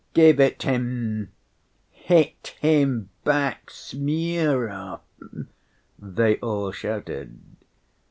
"Give it him, hit him back, Smurov," they all shouted.